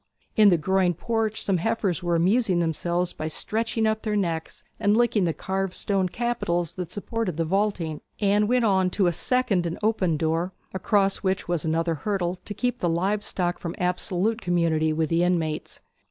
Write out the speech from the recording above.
In the groined porch some heifers were amusing themselves by stretching up their necks and licking the carved stone capitals that supported the vaulting. Anne went on to a second and open door, across which was another hurdle to keep the live stock from absolute community with the inmates.